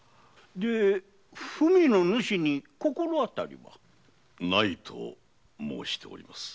文の主に心当たりは？ないと申しております。